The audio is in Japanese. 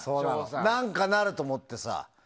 何とかなると思ってさ。